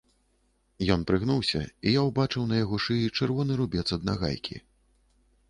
Ён прыгнуўся, і я ўбачыў на яго шыі чырвоны рубец ад нагайкі.